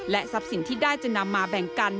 ทรัพย์สินที่ได้จะนำมาแบ่งกัน